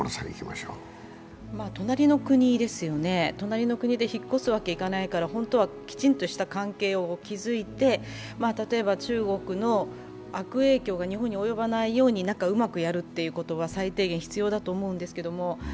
隣の国ですよね、隣の国で引っ越すわけいかないから本当はきちんとした関係を築いて例えば中国の悪影響が日本に及ばないようにうまくやるということは最低限必要だと思うんですけど。